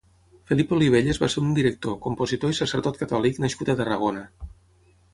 Felip Olivelles va ser un director, compositor i sacerdot catòlic nascut a Tarragona.